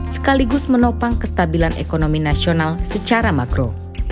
sekaligus menopang kestabilan ekonomi nasional secara makro